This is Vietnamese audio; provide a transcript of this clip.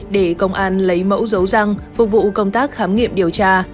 để công an lấy mẫu dấu răng phục vụ công tác khám nghiệm điều tra